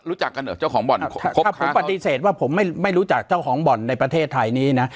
รู้จักกันเหรอเจ้าของบ่อนถ้าผมปฏิเสธว่าผมไม่รู้จักเจ้าของบ่อนในประเทศไทยนี้นะ